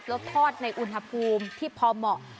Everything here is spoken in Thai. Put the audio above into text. แล้วทอดในอุณหภูมิที่พอเหมาะ